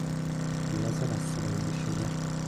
پیاز بستهبندی شده